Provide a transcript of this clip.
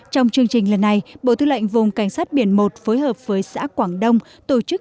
trong chương trình lần này bộ tư lệnh vùng cảnh sát biển một phối hợp với xã quảng đông tổ chức